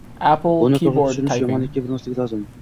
Buni to‘g‘ri tushunish, yomonlikka burmaslik lozim.